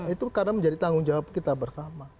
itu karena menjadi tanggung jawab kita bersama